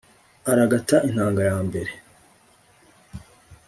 aragata intanga ya mbere